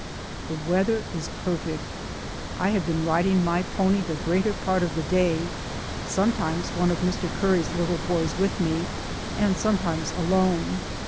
The weather is perfect. I have been rid ing my pony the greater part of the day, sometimes one of Mr. Curry's little boys with me, and sometimes alone.